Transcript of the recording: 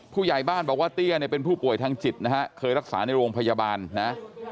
ผู้ใหญ่บ้านบอกว่าเตี้ยเนี่ยเป็นผู้ป่วยทางจิตนะฮะเคยรักษาในโรงพยาบาลนะ